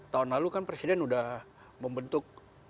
tahun lalu kan presiden sudah membentuk